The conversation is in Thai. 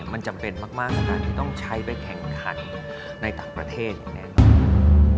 มันจำเป็นมากขนาดที่ต้องใช้ไปแข่งขันในต่างประเทศอย่างนี้